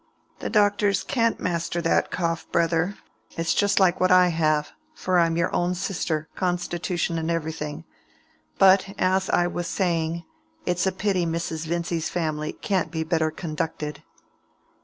"The doctors can't master that cough, brother. It's just like what I have; for I'm your own sister, constitution and everything. But, as I was saying, it's a pity Mrs. Vincy's family can't be better conducted."